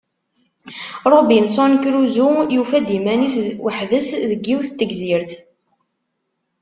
Robinson Crusoe yufa-d iman-is weḥd-s deg yiwet n tegzirt.